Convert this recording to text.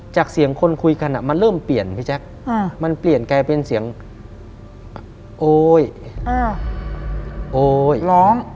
จากเสียงคนคุยกันมันเริ่มเปลี่ยนพี่แจ๊คมันเปลี่ยนกลายเป็นเสียงโอ๊ยโอ๊ยร้อง